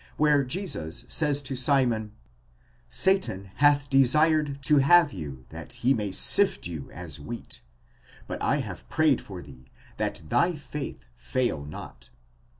where Jesus says to Simon: Satan hath desired to have you that he may sift you as wheat; but 7 have prayed for thee that thy faith fail not.